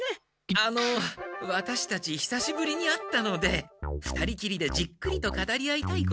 あのワタシたちひさしぶりに会ったので２人きりでじっくりと語り合いたいことが。